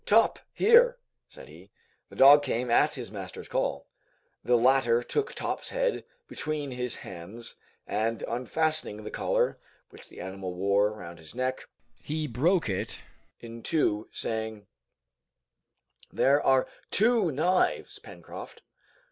"Top, here," said he. The dog came at his master's call. The latter took Top's head between his hands, and unfastening the collar which the animal wore round his neck, he broke it in two, saying, "There are two knives, Pencroft!"